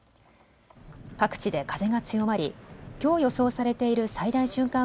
各地で風が強まりきょう予想されている最大瞬間